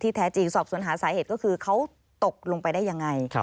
แท้จริงสอบสวนหาสาเหตุก็คือเขาตกลงไปได้ยังไง